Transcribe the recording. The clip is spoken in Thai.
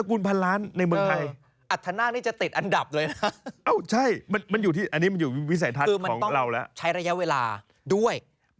คือมันต้องใช้ระยะเวลาด้วย